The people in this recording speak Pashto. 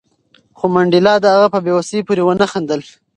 خو منډېلا د هغه په بې وسۍ پورې ونه خندل.